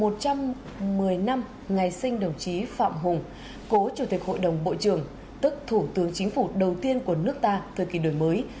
một trăm một mươi năm ngày sinh đồng chí phạm hùng cố chủ tịch hội đồng bộ trưởng tức thủ tướng chính phủ đầu tiên của nước ta thời kỳ đổi mới